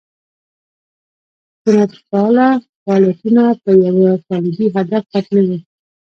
خشونتپاله فعالیتونه په یوه طالبي هدف ختمېږي.